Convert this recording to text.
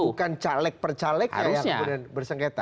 bukan caleg per calegnya yang kemudian bersengketa